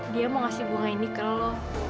dia mau ngasih bunga ini ke lo